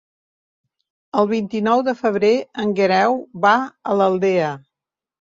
El vint-i-nou de febrer en Guerau va a l'Aldea.